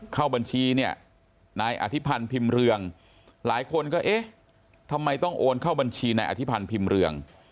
เข้าบัญชีเนี่ยนายอธิพันธ์พิมพ์เรืองหลายคนก็เอ๊ะทำไมต้องโอนเข้าบัญชีนายอธิพันธ์พิมพ์เรือง